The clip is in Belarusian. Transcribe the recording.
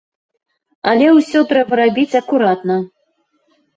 Але ўсё трэба рабіць акуратна.